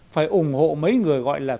phải ủng hộ mấy người gọi là